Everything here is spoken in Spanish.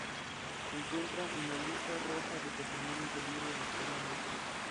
Se encuentra en la Lista roja de patrimonio en peligro de Hispania Nostra.